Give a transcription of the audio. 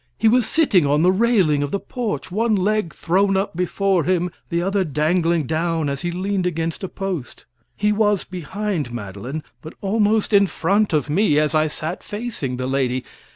He was sitting on the railing of the porch, one leg thrown up before him, the other dangling down as he leaned against a post. He was behind Madeline, but almost in front of me, as I sat facing the lady.